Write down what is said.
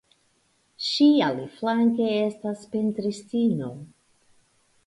Ŝi aliflanke estas pentristino.